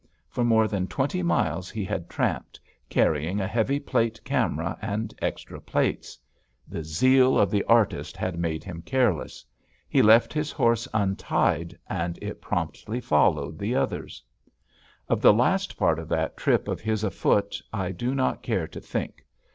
For more than twenty miles he had tramped, carrying a heavy plate camera and extra plates. The zeal of the artist had made him careless. He left his horse untied, and it promptly followed the others. Of the last part of that trip of his afoot I do not care to think.